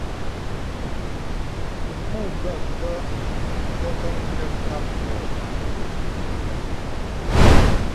Pú gaə̂kə́ tə kə̀ŋgnə̀ ŋkâp hɔ ?